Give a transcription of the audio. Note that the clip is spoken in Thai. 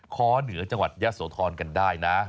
ค้อเหนือจังหวัดยะโสธรกันได้นะ